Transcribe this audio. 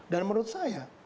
dan menurut saya